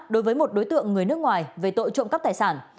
đối với một đối tượng người nước ngoài về tội trộm cắp tài sản